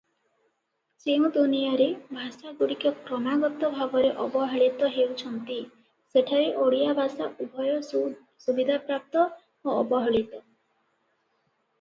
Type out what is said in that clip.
ଯେଉଁ ଦୁନିଆରେ ଭାଷାଗୁଡ଼ିକ କ୍ରମାଗତ ଭାବରେ ଅବହେଳିତ ହେଉଛନ୍ତି ସେଠାରେ ଓଡ଼ିଆ ଭାଷା ଉଭୟ ସୁବିଧାପ୍ରାପ୍ତ ଓ ଅବହେଳିତ ।